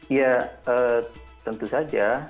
ya tentu saja